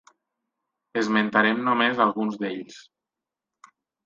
Esmentarem només alguns d'ells.